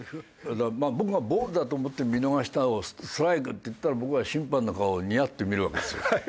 僕がボールだと思って見逃したのを「ストライク」って言ったら僕は審判の顔をニヤッと見るわけですよ。